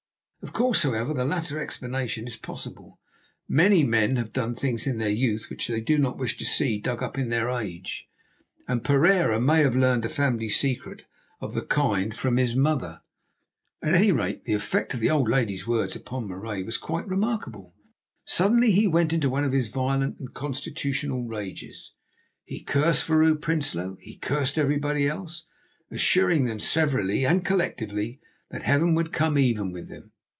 Of course, however, the latter explanation is possible. Many men have done things in their youth which they do not wish to see dug up in their age; and Pereira may have learned a family secret of the kind from his mother. At any rate, the effect of the old lady's words upon Marais was quite remarkable. Suddenly he went into one of his violent and constitutional rages. He cursed Vrouw Prinsloo. He cursed everybody else, assuring them severally and collectively that Heaven would come even with them.